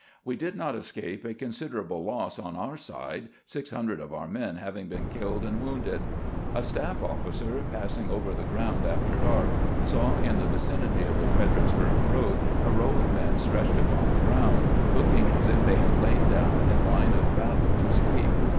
We did not escape a considerable loss on our side, six hundred of our men having been killed and wounded, A staff oflficer, passing over the ground after dark, saw in the vicinity of the Fredericksburg road a row of men stretched upon the ground, looking as if they had lain down in line of battle to sleep.